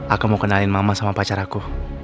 aku mau kenalin mama sama pacar aku